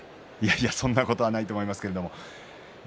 いやいやそんなことはないと思いますけれども。